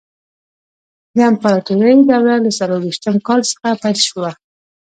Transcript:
د امپراتورۍ دوره له څلور ویشتم کال څخه پیل شوه.